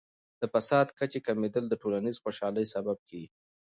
د فساد کچې کمیدل د ټولنیز خوشحالۍ سبب کیږي.